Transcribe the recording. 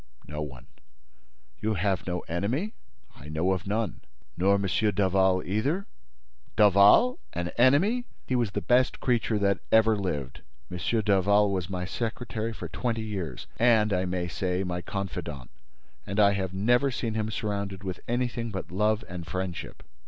"No one." "You have no enemy?" "I know of none." "Nor M. Daval either?" "Daval! An enemy? He was the best creature that ever lived. M. Daval was my secretary for twenty years and, I may say, my confidant; and I have never seen him surrounded with anything but love and friendship."